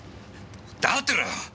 黙ってろよ！